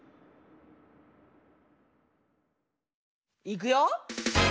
いくよ！